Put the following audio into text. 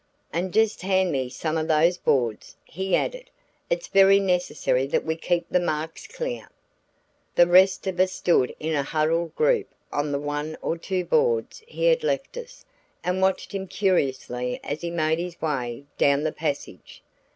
And just hand me some of those boards," he added. "It's very necessary that we keep the marks clear." The rest of us stood in a huddled group on the one or two boards he had left us and watched him curiously as he made his way down the passage.